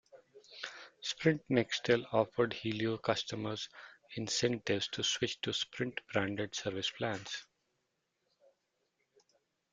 Sprint Nextel offered Helio customers incentives to switch to Sprint-branded service plans.